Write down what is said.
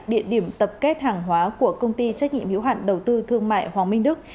địa điểm tập kết hàng hóa của công ty trách nhiệm hiếu hạn đầu tư thương mại hoàng minh đức